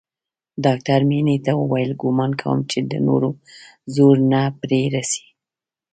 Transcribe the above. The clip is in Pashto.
ډاکتر مينې ته وويل ګومان کوم چې د نورو زور نه پې رسي.